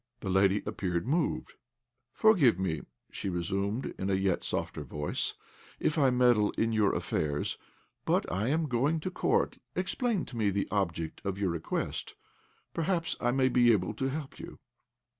The lady appeared moved. "Forgive me," she resumed, in a yet softer voice, "if I meddle in your affairs; but I am going to Court. Explain to me the object of your request; perhaps I may be able to help you."